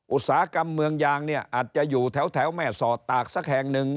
อุตสาหกรรมเมืองยางเนี่ยอาจจะอยู่แถวแม่สอดตากสักแห่งหนึ่ง